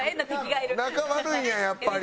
仲悪いんややっぱり。